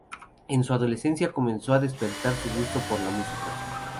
En su adolescencia comenzó a despertar su gusto por la música.